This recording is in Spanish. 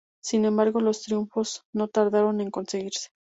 Sin embargo, los triunfos no tardaron en conseguirse.